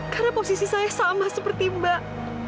karena posisi saya sama seperti mbak